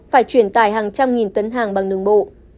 phải chuyển tài hàng trăm nghìn tấn hàng bằng nương bộ